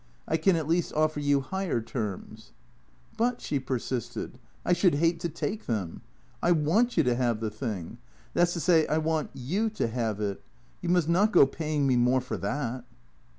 I can at least offer you higher terms," " But," she persisted, " I should hate to take them. I want you to have the thing. That 's to say I want yoii to have it. You must not go paying me more for that."